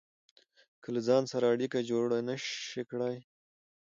که له ځان سره اړيکه جوړه نشئ کړای.